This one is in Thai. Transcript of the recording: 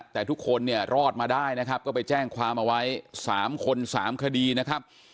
แต่ทุกคนเนี่ยรอดมาได้นะครับก็ไปแจ้งความเอาไว้๓คน๓คดีนะครับ